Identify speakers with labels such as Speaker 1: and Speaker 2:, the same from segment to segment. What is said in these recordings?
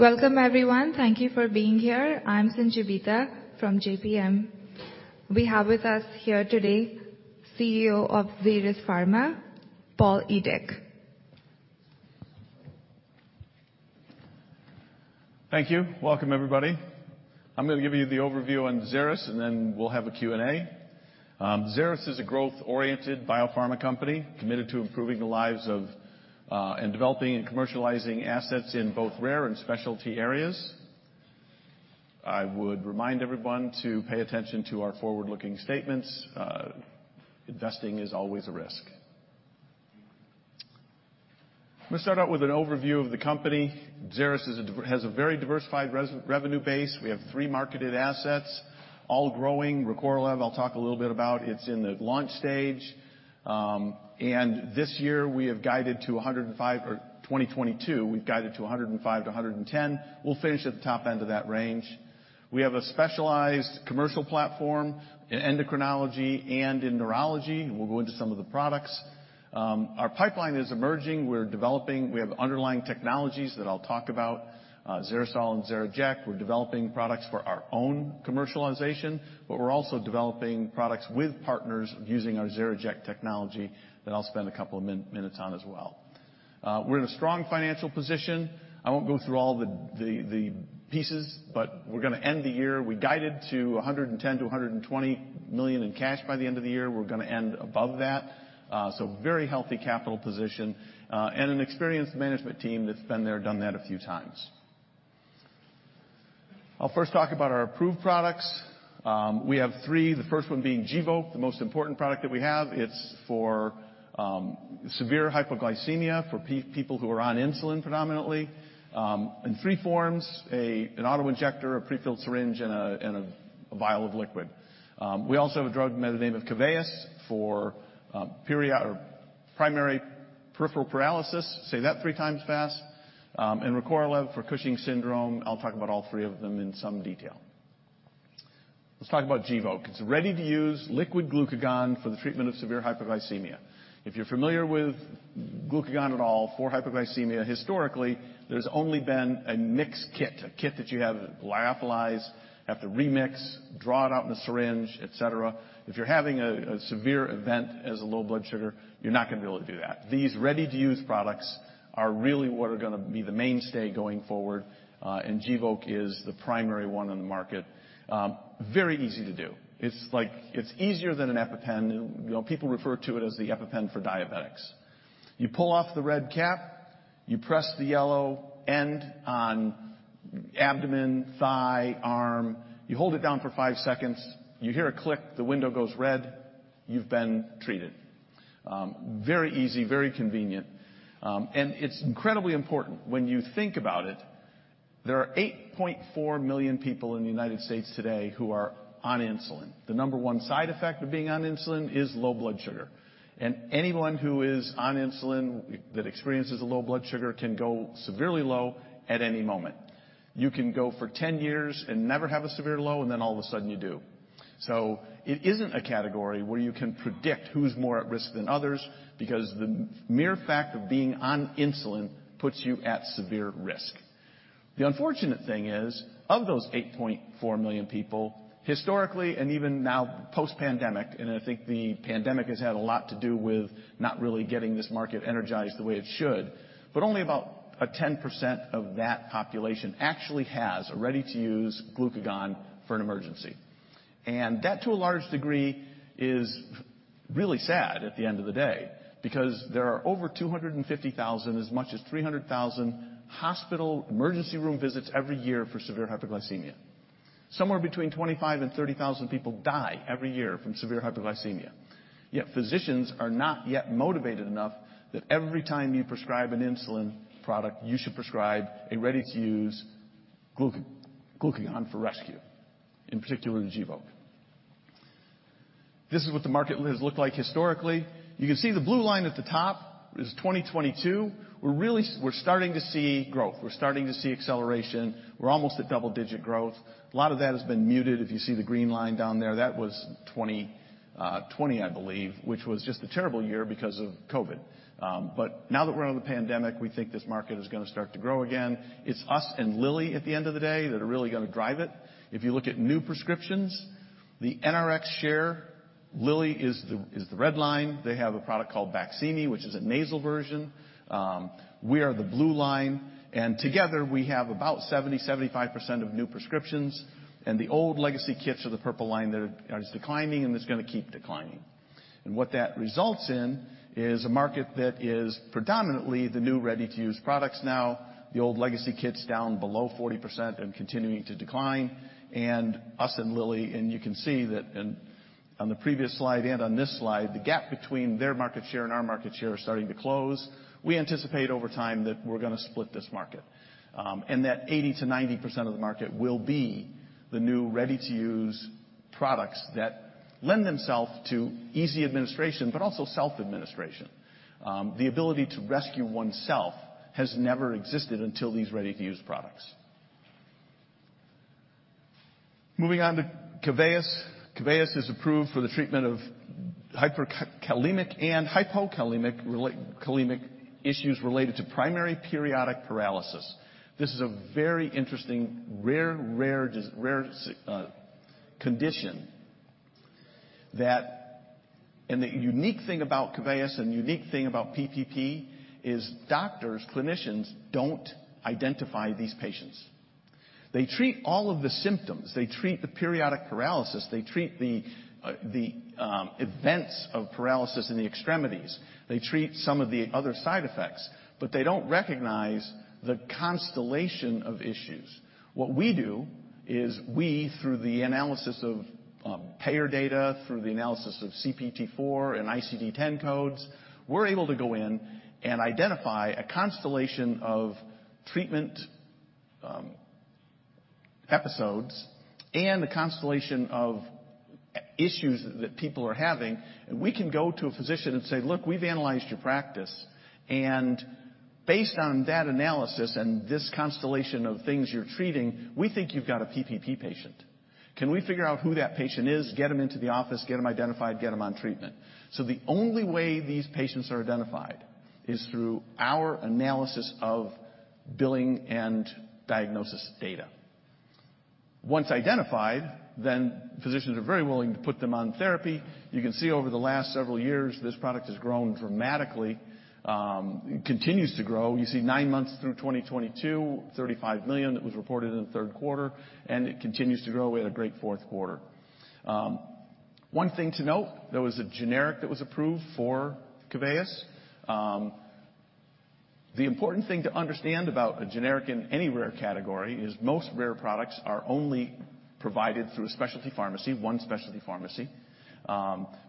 Speaker 1: Welcome, everyone. Thank you for being here. I'm Sanchita from JPM. We have with us here today CEO of Xeris Biopharma, Paul Edick.
Speaker 2: Thank you. Welcome, everybody. I'm gonna give you the overview on Xeris and then we'll have a Q&A. Xeris is a growth-oriented biopharma company committed to improving the lives of and developing and commercializing assets in both rare and specialty areas. I would remind everyone to pay attention to our forward-looking statements. Investing is always a risk. Let me start out with an overview of the company. Xeris has a very diversified revenue base. We have three marketed assets, all growing. Recorlev, I'll talk a little bit about. It's in the launch stage. 2022, we've guided to $105 million-$110 million. We'll finish at the top end of that range. We have a specialized commercial platform in endocrinology and in neurology. We'll go into some of the products. Our pipeline is emerging. We're developing. We have underlying technologies that I'll talk about, XeriSol and XeriJect. We're developing products for our own commercialization, but we're also developing products with partners using our XeriJect technology that I'll spend a couple of minutes on as well. We're in a strong financial position. I won't go through all the pieces, but we're gonna end the year. We guided to $110 million-$120 million in cash by the end of the year. We're gonna end above that. Very healthy capital position and an experienced management team that's been there, done that a few times. I'll first talk about our approved products. We have three, the first one being Gvoke, the most important product that we have. It's for severe hypoglycemia for people who are on insulin predominantly, in three forms: an auto-injector, a pre-filled syringe and a vial of liquid. We also have a drug by the name of Keveyis for primary periodic paralysis. Say that 3x fast. Recorlev for Cushing's syndrome. I'll talk about all three of them in some detail. Let's talk about Gvoke. It's a ready-to-use liquid glucagon for the treatment of severe hypoglycemia. If you're familiar with glucagon at all for hypoglycemia, historically, there's only been a mixed kit, a kit that you have lyophilized have to remix draw it out in a syringe, et cetera. If you're having a severe event as a low blood sugar you're not gonna be able to do that. These ready-to-use products are really what are gonna be the mainstay going forward and Gvoke is the primary one on the market. Very easy to do. It's easier than an EpiPen. You know, people refer to it as the EpiPen for diabetics. You pull off the red cap, you press the yellow end on abdomen, thigh, arm, you hold it down for 5 seconds. You hear a click, the window goes red, you've been treated. Very easy, very convenient. It's incredibly important when you think about it. There are 8.4 million people in the United States today who are on insulin. The number one side effect of being on insulin is low blood sugar. Anyone who is on insulin that experiences a low blood sugar can go severely low at any moment. You can go for 10 years and never have a severe low and then all of a sudden you do. It isn't a category where you can predict who's more at risk than others, because the mere fact of being on insulin puts you at severe risk. The unfortunate thing is, of those 8.4 million people historically and even now post-pandemic and I think the pandemic has had a lot to do with not really getting this market energized the way it should, but only about a 10% of that population actually has a ready-to-use glucagon for an emergency. That to a large degree is really sad at the end of the day because there are over 250,000, as much as 300,000 hospital emergency room visits every year for severe hypoglycemia. Somewhere between 25,000 and 30,000 people die every year from severe hypoglycemia, yet physicians are not yet motivated enough that every time you prescribe an insulin product, you should prescribe a ready-to-use glucagon for rescue, in particular, the Gvoke. This is what the market has looked like historically. You can see the blue line at the top is 2022. We're really starting to see growth. We're starting to see acceleration. We're almost at double-digit growth. A lot of that has been muted. If you see the green line down there, that was 2020, I believe, which was just a terrible year because of COVID. Now that we're out of the pandemic, we think this market is gonna start to grow again. It's us and Lilly at the end of the day that are really gonna drive it. If you look at new prescriptions, the NRX share, Lilly is the red line. They have a product called Baqsimi, which is a nasal version. We are the blue line. Together we have about 70%-75% of new prescriptions. The old legacy kits are the purple line that is declining and is gonna keep declining. What that results in is a market that is predominantly the new ready-to-use products now. The old legacy kits down below 40% and continuing to decline. Us and Lilly and you can see that on the previous slide and on this slide, the gap between their market share and our market share are starting to close. We anticipate over time that we're gonna split this market and that 80%-90% of the market will be the new ready-to-use products that lend themselves to easy administration, but also self-administration. The ability to rescue oneself has never existed until these ready-to-use products. Moving on to Keveyis. Keveyis is approved for the treatment of hyperkalemic and hypokalemic issues related to primary periodic paralysis. This is a very interesting, rare condition that. The unique thing about Keveyis and the unique thing about PPP is doctors, clinicians don't identify these patients. They treat all of the symptoms. They treat the periodic paralysis. They treat the events of paralysis in the extremities. They treat some of the other side effects, but they don't recognize the constellation of issues. What we do is we, through the analysis of payer data, through the analysis of CPT-4 and ICD-10 codes, we're able to go in and identify a constellation of treatment episodes and a constellation of issues that people are having. We can go to a physician and say, "Look, we've analyzed your practice and based on that analysis and this constellation of things you're treating, we think you've got a PPP patient. Can we figure out who that patient is? Get them into the office, get them identified, get them on treatment." The only way these patients are identified is through our analysis of billing and diagnosis data. Once identified, physicians are very willing to put them on therapy. You can see over the last several years, this product has grown dramatically, continues to grow. See 9 months through 2022, $35 million that was reported in the third quarter and it continues to grow. We had a great fourth quarter. One thing to note, there was a generic that was approved for Keveyis. The important thing to understand about a generic in any rare category is most rare products are only provided through a specialty pharmacy one specialty pharmacy.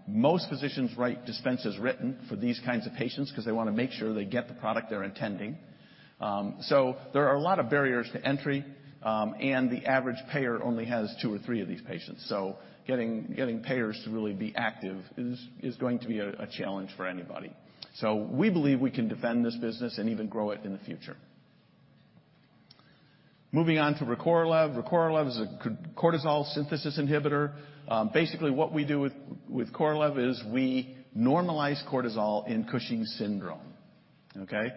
Speaker 2: Most physicians write dispenses written for these kinds of patients 'cause they wanna make sure they get the product they're intending. There are a lot of barriers to entry and the average payer only has two or three of these patients. Getting payers to really be active is going to be a challenge for anybody. We believe we can defend this business and even grow it in the future. Moving on to Recorlev. Recorlev is a cortisol synthesis inhibitor. Basically, what we do with Recorlev is we normalize cortisol in Cushing's syndrome. Okay?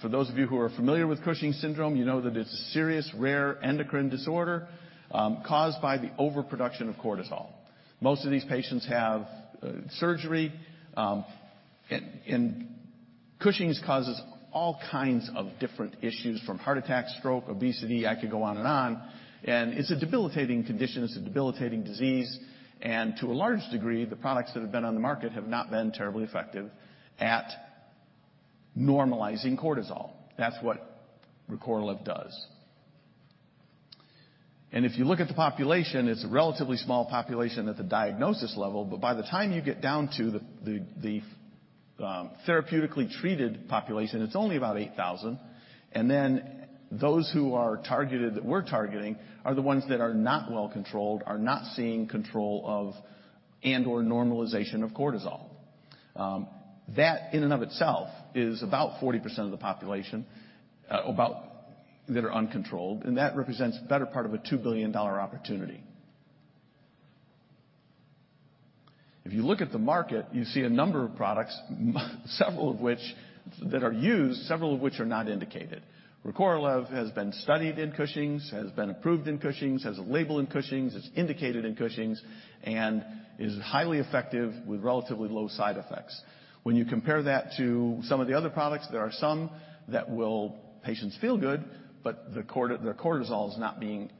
Speaker 2: For those of you who are familiar with Cushing's syndrome, you know that it's a serious rare endocrine disorder, caused by the overproduction of cortisol. Most of these patients have surgery and Cushing's causes all kinds of different issues from heart attack, stroke, obesity, I could go on and on. It's a debilitating condition. It's a debilitating disease. To a large degree, the products that have been on the market have not been terribly effective at normalizing cortisol. That's what Recorlev does. If you look at the population, it's a relatively small population at the diagnosis level, but by the time you get down to the therapeutically treated population, it's only about 8,000. Those who are targeted, that we're targeting are the ones that are not well controlled, are not seeing control of and/or normalization of cortisol. That in and of itself is about 40% of the population that are uncontrolled and that represents better part of a $2 billion opportunity. If you look at the market, you see a number of products, several of which that are used, several of which are not indicated. Recorlev has been studied in Cushing's, has been approved in Cushing's, has a label in Cushing's, it's indicated in Cushing's and is highly effective with relatively low side effects. When you compare that to some of the other products, there are some that will patients feel good, but their cortisol is not being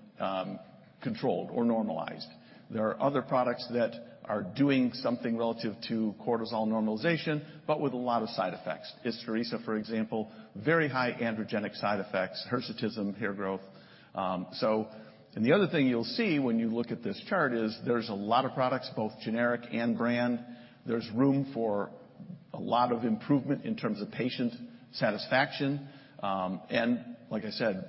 Speaker 2: controlled or normalized. There are other products that are doing something relative to cortisol normalization, but with a lot of side effects. Isturisa, for example, very high androgenic side effects, hirsutism, hair growth. The other thing you'll see when you look at this chart is there's a lot of products, both generic and brand. There's room for a lot of improvement in terms of patient satisfaction. Like I said,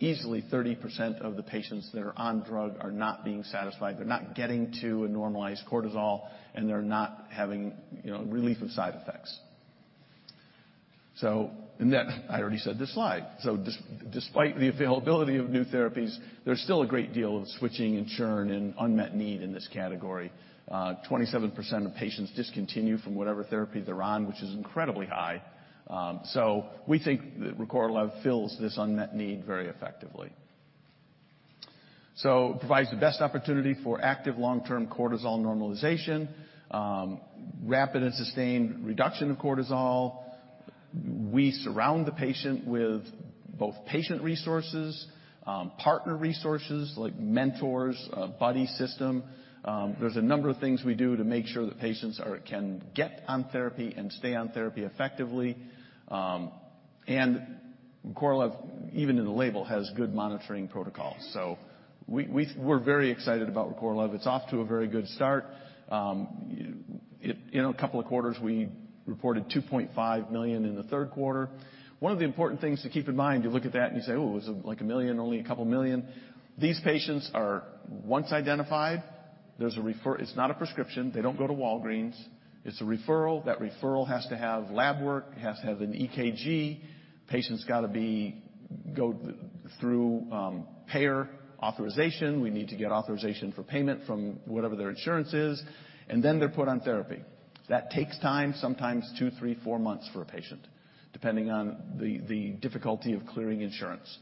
Speaker 2: easily 30% of the patients that are on drug are not being satisfied. They're not getting to a normalized cortisol and they're not having, you know, relief of side effects. Despite the availability of new therapies, there's still a great deal of switching and churn and unmet need in this category. 27% of patients discontinue from whatever therapy they're on, which is incredibly high. We think that Recorlev fills this unmet need very effectively. Provides the best opportunity for active long-term cortisol normalization, rapid and sustained reduction of cortisol. We surround the patient with both patient resources, partner resources like mentors, a buddy system. There's a number of things we do to make sure the patients can get on therapy and stay on therapy effectively. Recorlev, even in the label, has good monitoring protocols. We're very excited about Recorlev. It's off to a very good start. In a couple of quarters, we reported $2.5 million in the third quarter. One of the important things to keep in mind, you look at that and you say, "Oh, is it like $1 million, only a couple million?" These patients Once identified, there's a It's not a prescription. They don't go to Walgreens. It's a referral. That referral has to have lab work, it has to have an EKG. Patient's got to go through payer authorization. We need to get authorization for payment from whatever their insurance is. They're put on therapy. That takes time, sometimes 2, 3, 4 months for a patient, depending on the difficulty of clearing insurance.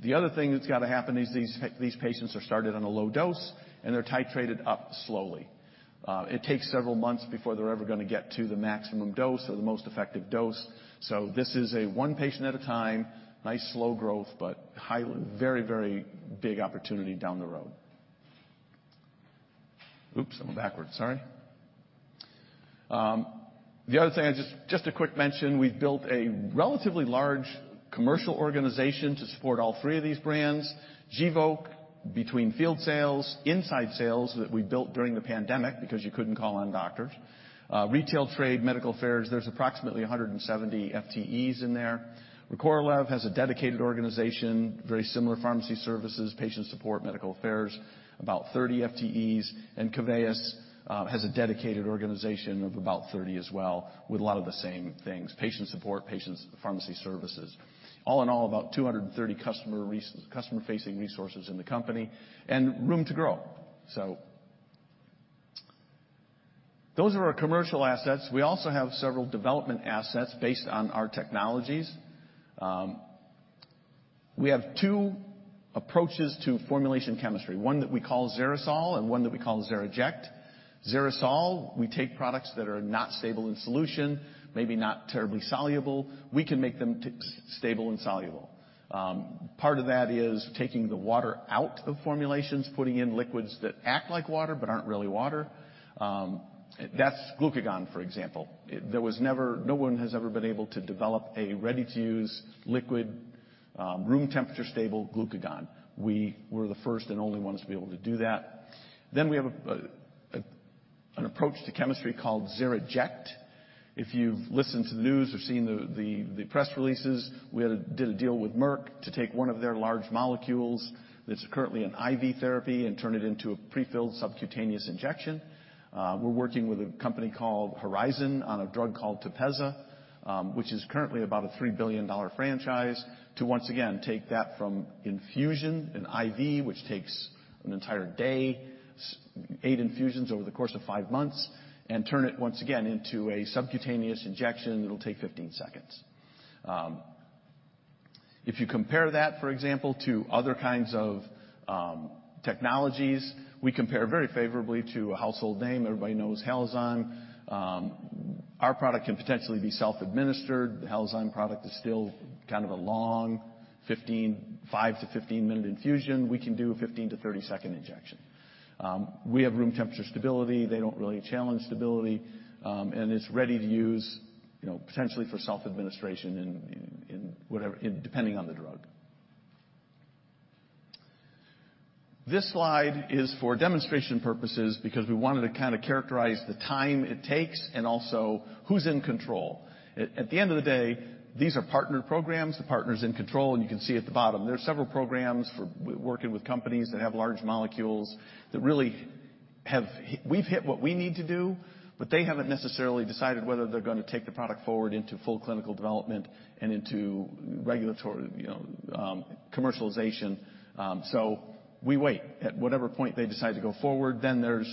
Speaker 2: The other thing that's got to happen is these patients are started on a low dose and they're titrated up slowly. It takes several months before they're ever gonna get to the maximum dose or the most effective dose. This is a one patient at a time, nice slow growth, but very, very big opportunity down the road. Oops, I'm backwards. Sorry. The other thing, I just. Just a quick mention, we've built a relatively large commercial organization to support all three of these brands. Gvoke, between field sales, inside sales that we built during the pandemic because you couldn't call on doctors, retail trade, medical affairs, there's approximately 170 FTEs in there. Recorlev has a dedicated organization, very similar pharmacy services, patient support, medical affairs, about 30 FTEs. Keveyis has a dedicated organization of about 30 as well, with a lot of the same things, patient support, patients pharmacy services. All in all, about 230 customer-facing resources in the company and room to grow. Those are our commercial assets. We also have several development assets based on our technologies. We have two approaches to formulation chemistry, one that we call XeriSol and one that we call XeriJect. XeriSol, we take products that are not stable in solution, maybe not terribly soluble. We can make them t-stable and soluble. Part of that is taking the water out of formulations, putting in liquids that act like water but aren't really water. That's glucagon, for example. No one has ever been able to develop a ready-to-use liquid, room temperature stable glucagon. We were the first and only ones to be able to do that. We have an approach to chemistry called XeriJect. If you've listened to the news or seen the press releases, we did a deal with Merck to take one of their large molecules that's currently an IV therapy and turn it into a prefilled subcutaneous injection. We're working with a company called Horizon on a drug called Tepezza, which is currently about a $3 billion franchise, to once again take that from infusion, an IV, which takes an entire day, eight infusions over the course of 5 months and turn it once again into a subcutaneous injection. It'll take 15 seconds. If you compare that, for example, to other kinds of technologies, we compare very favorably to a household name. Everybody knows Tepezza. Our product can potentially be self-administered. The Tepezza product is still kind of a long 5-15 minute infusion. We can do a 15-30 second injection. We have room temperature stability. They don't really challenge stability. And it's ready to use, you know, potentially for self-administration in whatever. Depending on the drug. This slide is for demonstration purposes because we wanted to kind of characterize the time it takes and also who's in control. At the end of the day, these are partnered programs. The partner's in control. You can see at the bottom. There are several programs for working with companies that have large molecules that really have. We've hit what we need to do, but they haven't necessarily decided whether they're gonna take the product forward into full clinical development and into regulatory, you know, commercialization. We wait. At whatever point they decide to go forward, there's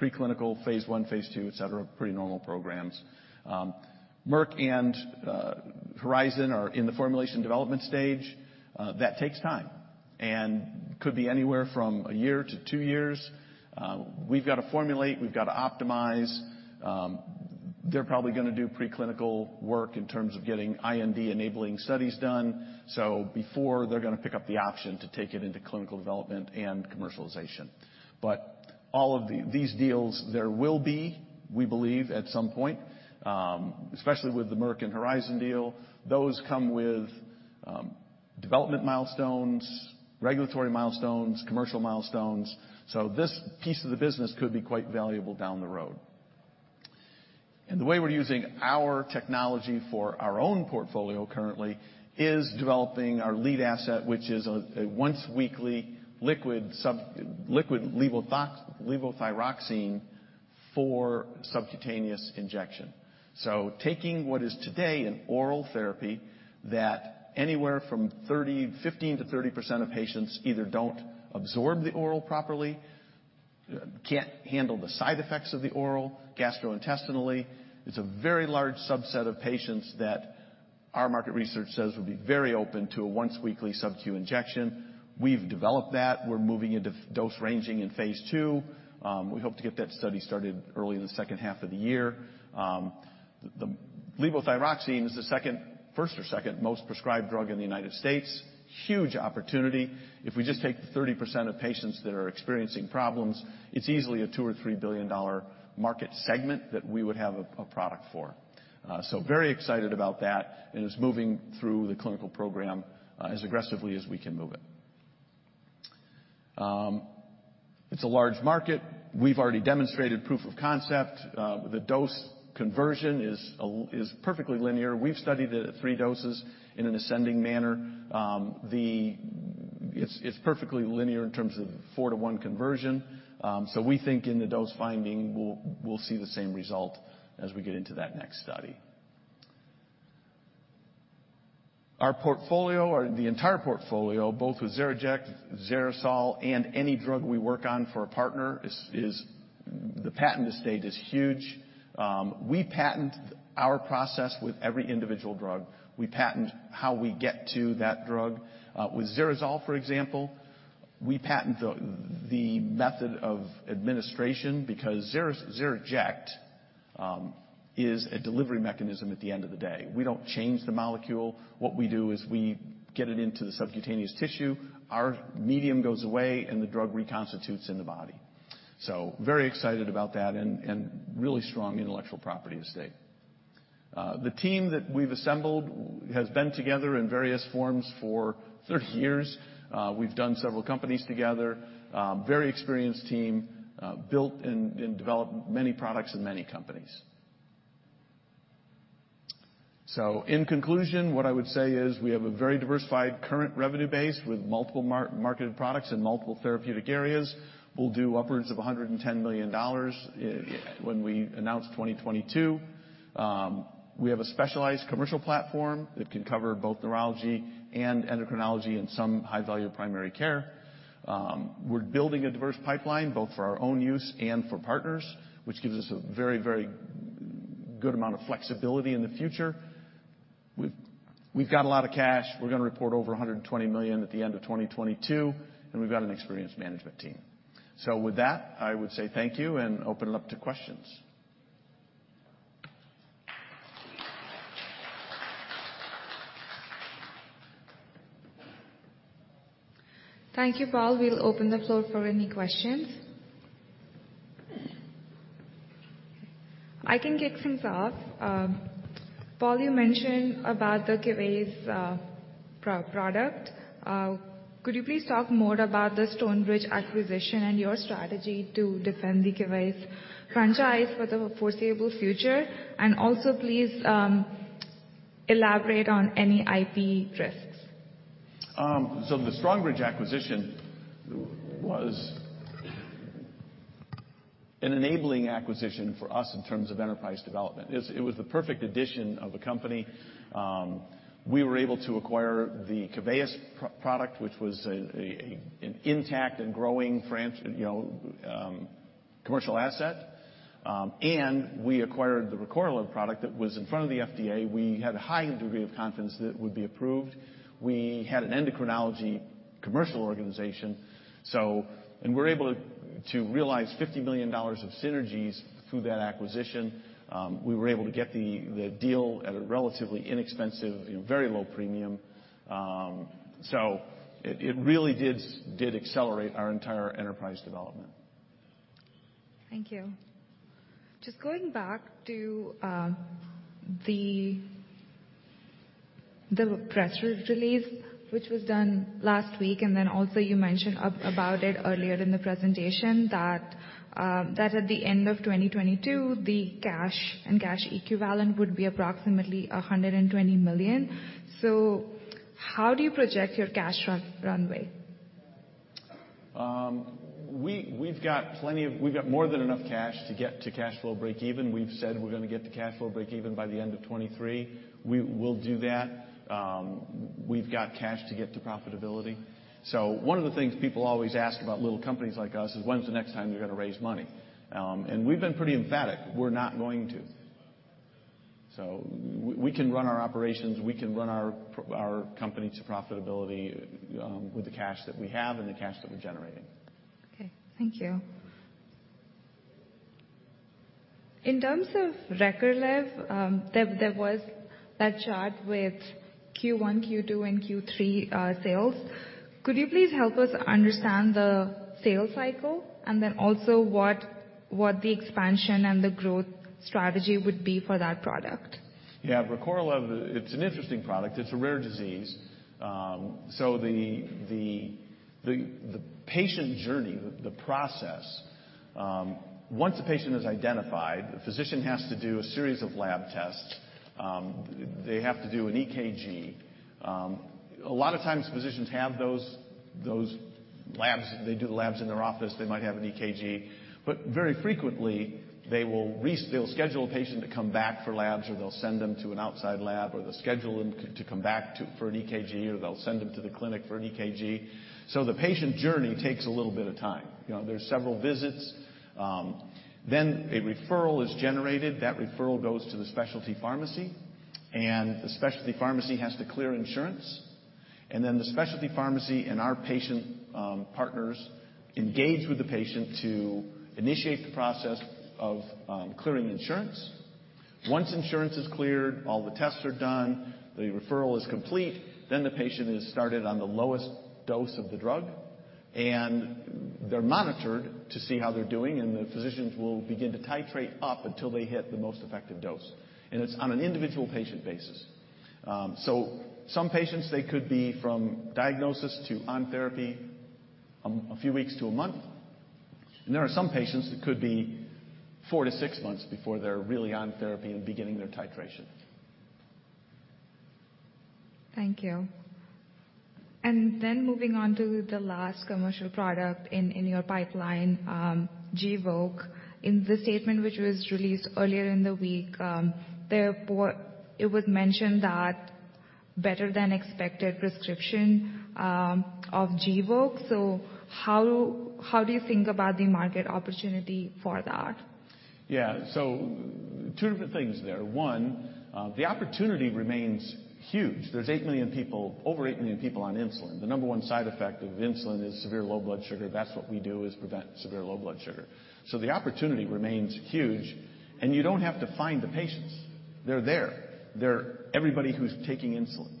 Speaker 2: preclinical phase I, phase II, etc. Pretty normal programs. Merck and Horizon are in the formulation development stage. That takes time and could be anywhere from 1 year to 2 years. We've got to formulate, we've got to optimize. They're probably gonna do preclinical work in terms of getting IND-enabling studies done. Before they're gonna pick up the option to take it into clinical development and commercialization. All of these deals, there will be, we believe, at some point, especially with the Merck and Horizon deal, those come with development milestones, regulatory milestones, commercial milestones. This piece of the business could be quite valuable down the road. The way we're using our technology for our own portfolio currently is developing our lead asset, which is a once weekly liquid levothyroxine for subcutaneous injection. Taking what is today an oral therapy that anywhere from 15%-30% of patients either don't absorb the oral properly, can't handle the side effects of the oral gastrointestinally. It's a very large subset of patients that our market research says would be very open to a once weekly subcu injection. We've developed that. We're moving into dose ranging in phase II. We hope to get that study started early in the second half of the year. The levothyroxine is the first or second most prescribed drug in the United States. Huge opportunity. If we just take the 30% of patients that are experiencing problems, it's easily a $2 billion-$3 billion market segment that we would have a product for. Very excited about that and it's moving through the clinical program as aggressively as we can move it. It's a large market. We've already demonstrated proof of concept. The dose conversion is perfectly linear. We've studied it at three doses in an ascending manner. It's perfectly linear in terms of 4/1 conversion. We think in the dose finding, we'll see the same result as we get into that next study. Our portfolio, or the entire portfolio, both with XeriJect, XeriSol and any drug we work on for a partner is. The patent estate is huge. We patent our process with every individual drug. We patent how we get to that drug. With XeriSol, for example, we patent the method of administration because XeriJect is a delivery mechanism at the end of the day. We don't change the molecule. What we do is we get it into the subcutaneous tissue. Our medium goes away and the drug reconstitutes in the body. Very excited about that and really strong intellectual property estate. The team that we've assembled has been together in various forms for 30 years. We've done several companies together. Very experienced team. Built and developed many products and many companies. In conclusion, what I would say is we have a very diversified current revenue base with multiple marketed products in multiple therapeutic areas. We'll do upwards of $110 million when we announce 2022. We have a specialized commercial platform that can cover both neurology and endocrinology and some high-value primary care. We're building a diverse pipeline, both for our own use and for partners, which gives us a very good amount of flexibility in the future. We've got a lot of cash. We're gonna report over $120 million at the end of 2022 and we've got an experienced management team. With that, I would say thank you and open it up to questions.
Speaker 1: Thank you, Paul. We'll open the floor for any questions. I can kick things off. Paul, you mentioned about the Keveyis product. Could you please talk more about the Strongbridge acquisition and your strategy to defend the Keveyis franchise for the foreseeable future? Also please elaborate on any IP risks.
Speaker 2: The Strongbridge acquisition was an enabling acquisition for us in terms of enterprise development. It was the perfect addition of a company. We were able to acquire the Keveyis product, which was an intact and growing franchise, you know, commercial asset. We acquired the Recorlev product that was in front of the FDA. We had a high degree of confidence that it would be approved. We had an endocrinology commercial organization. We're able to realize $50 million of synergies through that acquisition. We were able to get the deal at a relatively inexpensive, you know, very low premium. It really did accelerate our entire enterprise development.
Speaker 1: Thank you. Just going back to the press release, which was done last week and then also you mentioned about it earlier in the presentation, that at the end of 2022, the cash and cash equivalent would be approximately $120 million. How do you project your cash runway?
Speaker 2: We've got more than enough cash to get to cash flow break even. We've said we're gonna get to cash flow break even by the end of 2023. We will do that. We've got cash to get to profitability. One of the things people always ask about little companies like us is, "When's the next time you're gonna raise money?" And we've been pretty emphatic. We're not going to. We can run our operations, we can run our company to profitability, with the cash that we have and the cash that we're generating.
Speaker 1: Okay. Thank you. In terms of Recorlev, there was that chart with Q1, Q2, and Q3 sales. Could you please help us understand the sales cycle and then also what the expansion and the growth strategy would be for that product?
Speaker 2: Recorlev, it's an interesting product. It's a rare disease. The patient journey, the process, once a patient is identified, the physician has to do a series of lab tests. They have to do an EKG. A lot of times physicians have those labs. They do labs in their office. They might have an EKG. Very frequently, they'll schedule a patient to come back for labs, or they'll send them to an outside lab, or they'll schedule them to come back for an EKG, or they'll send them to the clinic for an EKG. The patient journey takes a little bit of time. You know, there's several visits. A referral is generated. That referral goes to the specialty pharmacy. The specialty pharmacy has to clear insurance. The specialty pharmacy and our patient partners engage with the patient to initiate the process of clearing insurance. Once insurance is cleared, all the tests are done, the referral is complete, then the patient is started on the lowest dose of the drug. They're monitored to see how they're doing and the physicians will begin to titrate up until they hit the most effective dose and it's on an individual patient basis. Some patients, they could be from diagnosis to on therapy, a few weeks to a month. There are some patients, it could be 4-6 months before they're really on therapy and beginning their titration.
Speaker 1: Thank you. Moving on to the last commercial product in your pipeline, Gvoke. In the statement which was released earlier in the week, therefore it was mentioned that better-than-expected prescription of Gvoke. How do you think about the market opportunity for that?
Speaker 2: Yeah. Two different things there. One, the opportunity remains huge. There's over eight million people on insulin. The number one side effect of insulin is severe low blood sugar. That's what we do, is prevent severe low blood sugar. The opportunity remains huge and you don't have to find the patients. They're there. They're everybody who's taking insulin,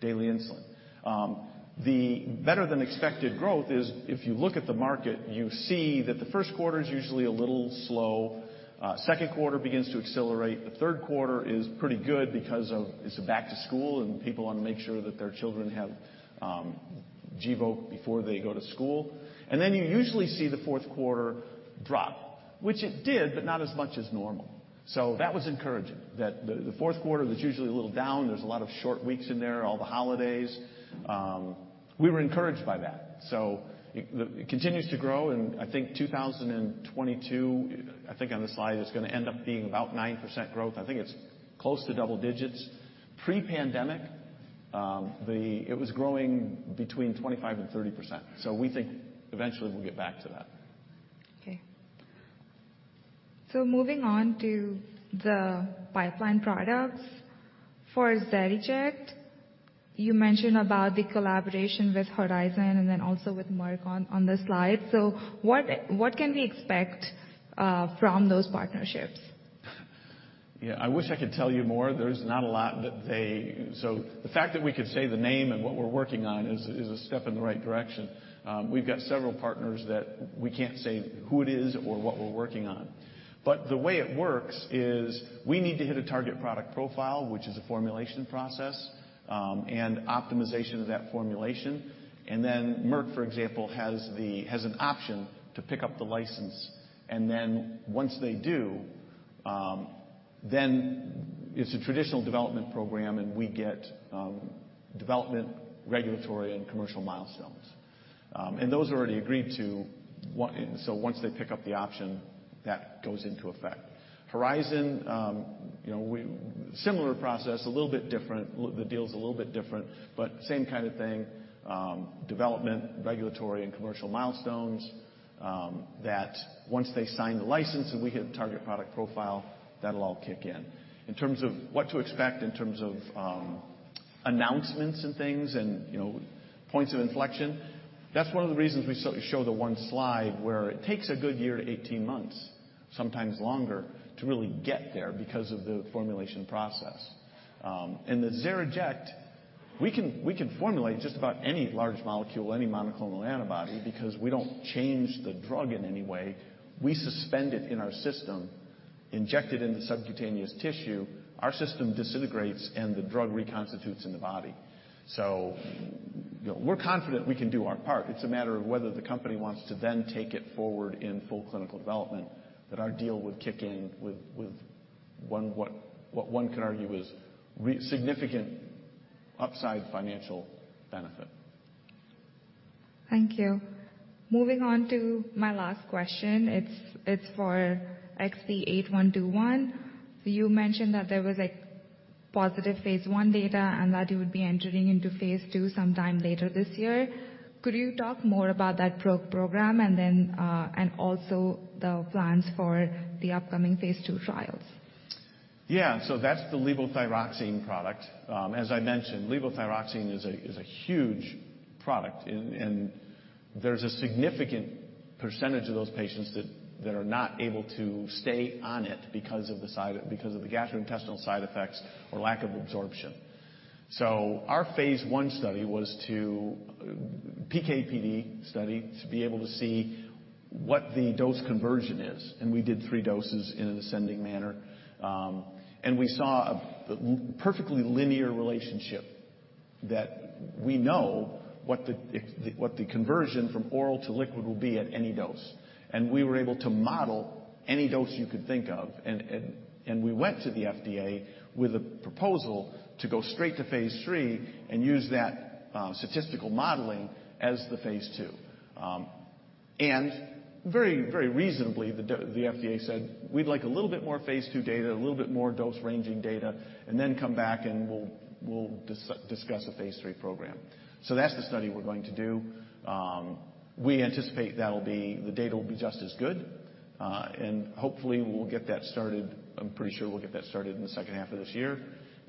Speaker 2: daily insulin. The better-than-expected growth is if you look at the market, you see that the first quarter is usually a little slow. Second quarter begins to accelerate. The third quarter is pretty good because of it's back to school and people wanna make sure that their children have Gvoke before they go to school. You usually see the fourth quarter drop, which it did, but not as much as normal. That was encouraging. That the fourth quarter that's usually a little down, there's a lot of short weeks in there, all the holidays, we were encouraged by that. It continues to grow. I think 2022, I think on the slide is gonna end up being about 9% growth. I think it's close to double digits. Pre-pandemic, it was growing between 25% and 30%. We think eventually we'll get back to that.
Speaker 1: Okay. Moving on to the pipeline products. For XeriJect, you mentioned about the collaboration with Horizon and then also with Merck on the slide. What can we expect from those partnerships?
Speaker 2: Yeah. I wish I could tell you more. The fact that we could say the name and what we're working on is a step in the right direction. We've got several partners that we can't say who it is or what we're working on. The way it works is we need to hit a target product profile, which is a formulation process and optimization of that formulation. Merck, for example, has an option to pick up the license. Once they do, then it's a traditional development program and we get development, regulatory, and commercial milestones. Those are already agreed to and once they pick up the option, that goes into effect. Horizon, you know, similar process, a little bit different. The deal is a little bit different, same kind of thing. Development, regulatory, and commercial milestones that once they sign the license and we hit target product profile, that'll all kick in. In terms of what to expect in terms of announcements and things and, you know, points of inflection, that's one of the reasons we show the one slide where it takes a good year to 18 months, sometimes longer, to really get there because of the formulation process. The XeriJect, we can formulate just about any large molecule, any monoclonal antibody, because we don't change the drug in any way. We suspend it in our system, inject it into subcutaneous tissue. Our system disintegrates and the drug reconstitutes in the body. You know, we're confident we can do our part. It's a matter of whether the company wants to then take it forward in full clinical development that our deal would kick in with what one could argue is significant upside financial benefit.
Speaker 1: Thank you. Moving on to my last question. It's for XP-8121. You mentioned that there was a positive phase I data and that you would be entering into phase II sometime later this year. Could you talk more about that program and then, and also the plans for the upcoming phase II trials?
Speaker 2: That's the levothyroxine product. As I mentioned, levothyroxine is a huge product and there's a significant percentage of those patients that are not able to stay on it because of the gastrointestinal side effects or lack of absorption. Our phase I study was to PK/PD study, to be able to see what the dose conversion is. We did three doses in an ascending manner. We saw a perfectly linear relationship that we know what the, if the, what the conversion from oral to liquid will be at any dose. We were able to model any dose you could think of. We went to the FDA with a proposal to go straight to phase III and use that statistical modeling as the phase II. Very reasonably, the FDA said, "We'd like a little bit more phase II data, a little bit more dose-ranging data, then come back and we'll discuss a phase III program." That's the study we're going to do. We anticipate the data will be just as good. Hopefully, we'll get that started. I'm pretty sure we'll get that started in the second half of this year.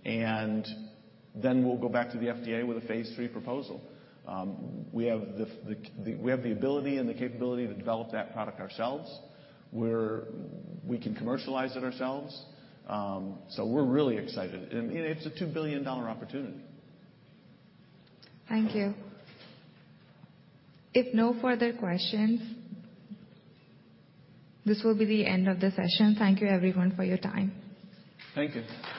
Speaker 2: We'll go back to the FDA with a phase III proposal. We have the ability and the capability to develop that product ourselves, where we can commercialize it ourselves. We're really excited. It's a $2 billion opportunity.
Speaker 1: Thank you. If no further questions, this will be the end of the session. Thank you, everyone, for your time.
Speaker 2: Thank you.